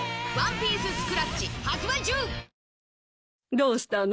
どうしたの？